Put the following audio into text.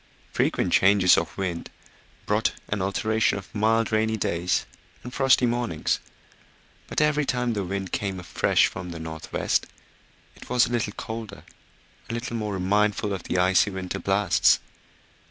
Frequent changes of wind brought an alternation of mild rainy days and frosty mornings; but every time the wind came afresh from the north west it was a little colder, a little more remindful of the icy winter blasts.